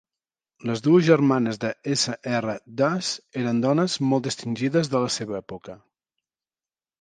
Les dues germanes de S. R. Das eren dones molt distingides de la seva època.